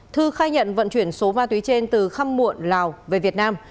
thư khai nhận vận chuyển số ma túy trên từ khăm muộn lào về việt nam